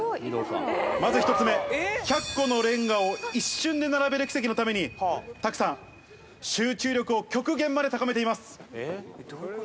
まず１つ目、１００個のレンガを一瞬で並べる奇跡のために、拓さん、集中力を極限まで高めています。